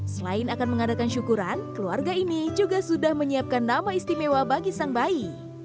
selain akan mengadakan syukuran keluarga ini juga sudah menyiapkan nama istimewa bagi sang bayi